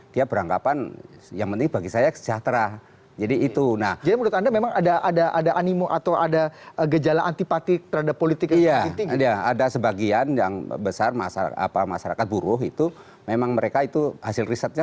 dijawabin lebih asik di segmen berikutnya